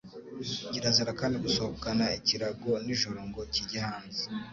Kirazira kandi gusohokana ikirago nijoro, ngo kijye hanze,